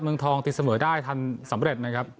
เมืองทองตีเสมอได้ทันสำเร็จนะครับ